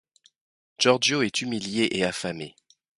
Giorgio est humilié et affamé.